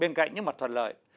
bên cạnh những mặt thuận lợi